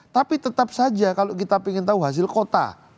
tapi tetap saja kalau kita ingin tahu hasil kota